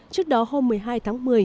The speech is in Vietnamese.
trước đó hôm một mươi hai tháng một mươi